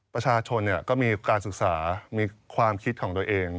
ประชาชนก็มีการศึกษามีความคิดของตัวเอง